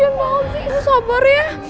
kasian banget sih sabar ya